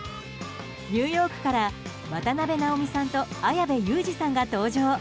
ニューヨークから渡辺直美さんと綾部祐二さんが登場。